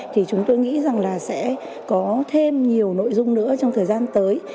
thì chúng tôi nghĩ rằng là sẽ có thêm nhiều nội dung nữa trong thời gian tới